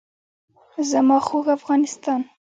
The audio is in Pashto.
زما خوږ افغانستان.